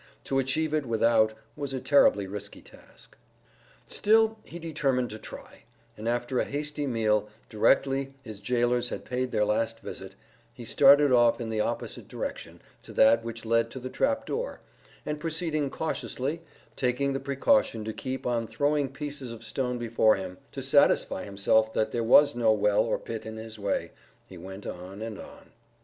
To achieve it without was a terribly risky task. Still he determined to try, and after a hasty meal, directly his gaolers had paid their last visit, he started off in the opposite direction to that which led to the trap door, and proceeding cautiously, taking the precaution to keep on throwing pieces of stone before him, to satisfy himself that there was no well or pit in his way, he went on and on.